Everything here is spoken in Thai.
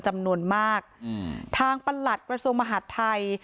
จำนวนมากอืมทางปลดประสุนมหัสไทย